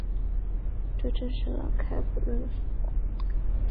这证实了开普勒的方法。